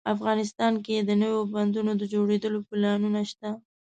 افغانستان کې د نوي بندونو د جوړولو پلانونه شته